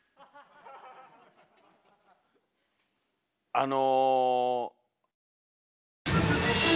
あの。